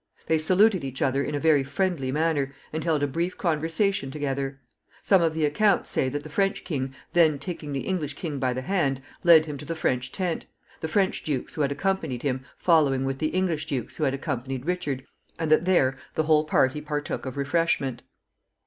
They saluted each other in a very friendly manner, and held a brief conversation together. Some of the accounts say that the French king, then taking the English king by the hand, led him to the French tent, the French dukes who had accompanied him following with the English dukes who had accompanied Richard, and that there the whole party partook of refreshment.